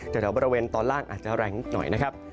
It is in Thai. แถวบริเวณตอนล่างอาจจะแรงนิดหน่อยนะครับ